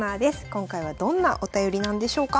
今回はどんなお便りなんでしょうか。